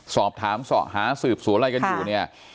สอบถามเสาะหาสืบสวนอะไรกันอยู่เนี่ย